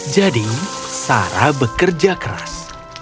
jadi sarah bekerja keras